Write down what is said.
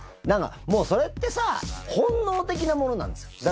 なんかもう、それってさ、本能的なものなんですよ。